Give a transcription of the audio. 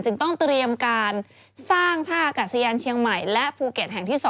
ต้องเตรียมการสร้างท่าอากาศยานเชียงใหม่และภูเก็ตแห่งที่๒